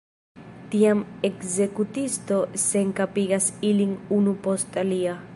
Tiam ekzekutisto senkapigas ilin unu post alia.